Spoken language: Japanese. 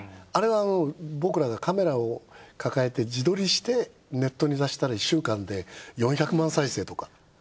あれは僕らがカメラを抱えて自撮りしてネットに出したら１週間で４００万再生とか。